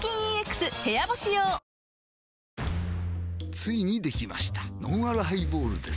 ついにできましたのんあるハイボールです